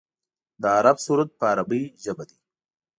د عرب سرود په عربۍ ژبه دی.